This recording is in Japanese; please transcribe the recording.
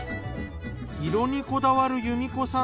色にこだわる由美子さん